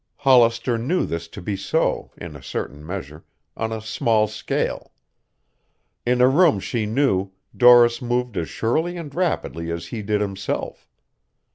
Hollister knew this to be so, in a certain measure, on a small scale. In a room she knew Doris moved as surely and rapidly as he did himself.